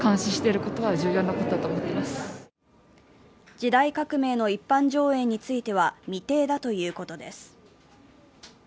「時代革命」の一般上映については未定だということです。